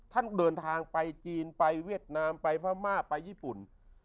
ท่านก็เดินทางไปจีนไปเวียดนามไปภามาไปญี่ปุ่น